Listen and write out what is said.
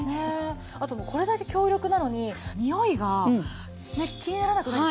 あとこれだけ強力なのににおいが気にならなくないですか？